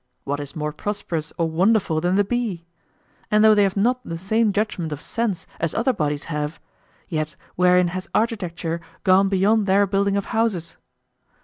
What is more prosperous or wonderful than the bee? And though they have not the same judgment of sense as other bodies have, yet wherein has architecture gone beyond their building of houses?